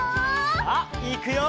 さあいくよ！